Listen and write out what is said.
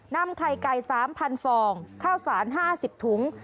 นำไข่ไก่๓๐๐ฟองข้าวสาร๕๐ถุง